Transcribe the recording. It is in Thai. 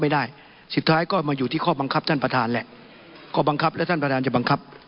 ไม่ได้สุดท้ายก็มาอยู่ที่ข้อบังคับท่านประธานแหละข้อบังคับและท่านประธานจะบังคับ